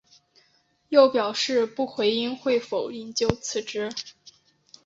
又表示不回应会否引咎辞职。